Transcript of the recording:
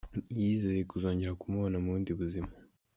Yizeye kuzongera kumubona mu bundi buzima.